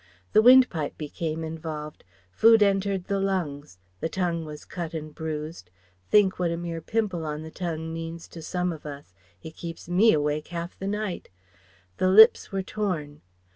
The windpipe became involved. Food entered the lungs the tongue was cut and bruised (Think what a mere pimple on the tongue means to some of us: it keeps me awake half the night) the lips were torn.